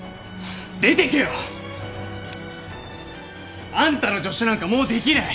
出てけよ！あんたの助手なんかもうできない！